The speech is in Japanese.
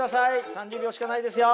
３０秒しかないですよ。